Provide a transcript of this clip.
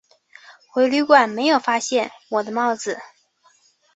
回旅馆没有发现我的帽子